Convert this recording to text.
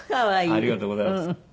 ありがとうございます。